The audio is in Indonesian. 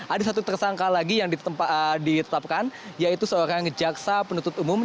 ada satu tersangka lagi yang ditetapkan yaitu seorang jaksa penuntut umum